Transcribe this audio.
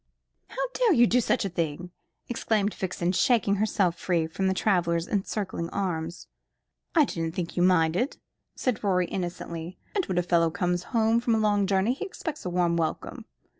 "How dare you do such a thing?" exclaimed Vixen, shaking herself free from the traveller's encircling arm. "I didn't think you minded," said Rorie innocently; "and when a fellow comes home from a long journey he expects a warm welcome!"